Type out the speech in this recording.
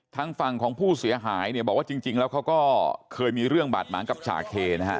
ทางฝั่งของผู้เสียหายเนี่ยบอกว่าจริงแล้วเขาก็เคยมีเรื่องบาดหมางกับจ่าเคนะฮะ